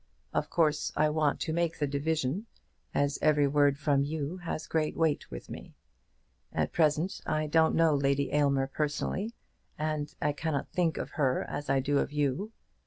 Of course I want to make the division, as every word from you has great weight with me. At present I don't know Lady Aylmer personally, and I cannot think of her as I do of you.